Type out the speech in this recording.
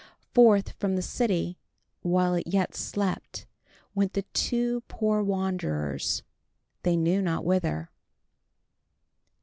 Forth from the city, while it yet slept, went the two poor wanderers, they knew not whither.